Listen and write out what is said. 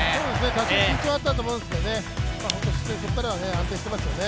多少緊張があったと思うんですがそこからは安定していましたね。